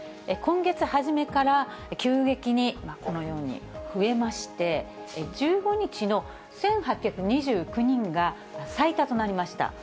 今月初めから急激にこのように増えまして、１５日の１８２９人が最多となりました。